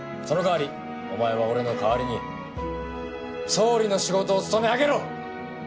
その代わりお前は俺の代わりに総理の仕事を勤め上げろ！